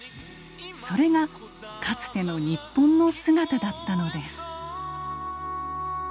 それがかつての日本の姿だったのです。